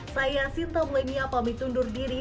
saya sinta mulyania pamit undur diri